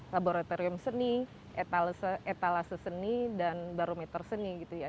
laboratorium seni etalase seni dan barometer seni gitu ya